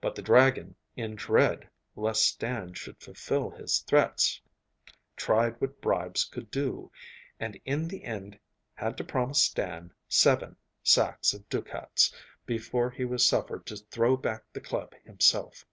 But the dragon, in dread lest Stan should fulfil his threats, tried what bribes could do, and in the end had to promise Stan seven sacks of ducats before he was suffered to throw back the club himself.